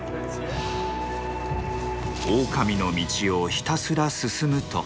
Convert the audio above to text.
オオカミの道をひたすら進むと。